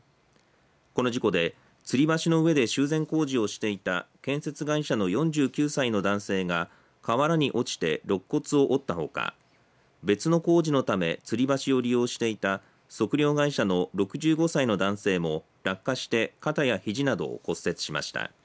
この事故でつり橋の上で修繕工事をしていた建設会社の４９歳の男性が河原に落ちてろっ骨を折ったほか別の工事のためつり橋を利用していた測量会社の６５歳の男性も落下して肩や肘などを骨折しました。